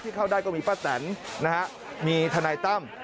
เข้าได้ก็มีป้าแตนนะฮะมีทนายตั้ม